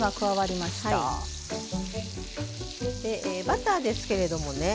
でバターですけれどもね